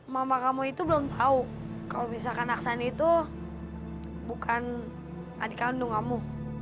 mama kamu itu belum tahu kalau misalkan aksani itu bukan adik kandung kamu